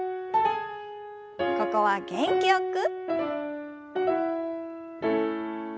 ここは元気よく。